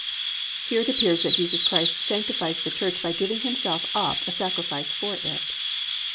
"+ Here it appears that Jesus Christ sanctifies the church by giving Himself up a sacrifice for it.